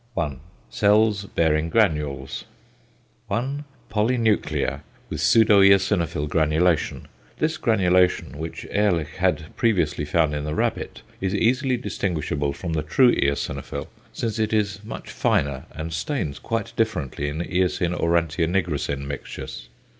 I. Cells bearing granules. 1. =Polynuclear, with pseudoeosinophil granulation.= This granulation, which Ehrlich had previously found in the rabbit, is easily distinguishable from the true eosinophil, since it is much finer, and stains quite differently in eosine aurantia nigrosin mixtures.